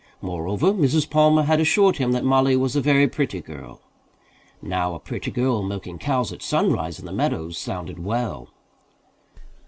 Moreover, Mrs. Palmer had assured him that Mollie was a very pretty girl. Now a pretty girl milking cows at sunrise in the meadows sounded well. Mrs.